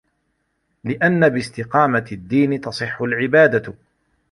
لِأَنَّ بِاسْتِقَامَةِ الدِّينِ تَصِحُّ الْعِبَادَةُ